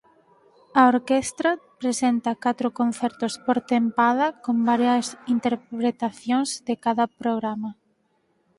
A orquestra presenta catro concertos por tempada con varias interpretacións de cada programa.